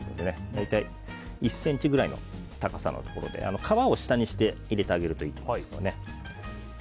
大体１ｃｍくらいの高さで皮を下にして入れてあげるといいと思います。